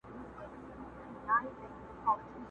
نه په لاس كي وو اثر د خياطانو.!